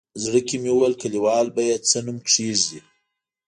زړه کې مې ویل کلیوال به یې څه نوم کېږدي.